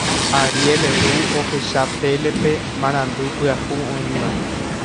Ariel ru ohecha télepe marandu pyahu oĩva.